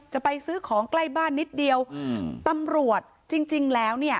จะไปซื้อของใกล้บ้านนิดเดียวอืมตำรวจจริงจริงแล้วเนี่ย